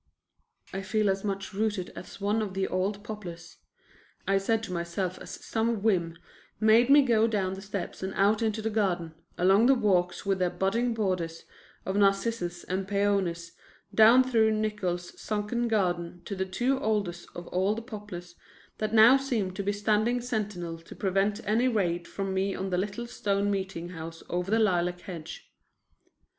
"I feel as much rooted as one of the old poplars," I said to myself as some whim made me go down the steps and out into the garden, along the walks with their budding borders of narcissus and peonies, down through Nickols' sunken garden to the two oldest of all the poplars that now seemed to be standing sentinel to prevent any raid from me on the little stone meeting house over the lilac hedge.